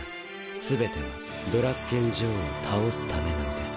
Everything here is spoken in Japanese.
全てはドラッケン・ジョーを倒すためなのです。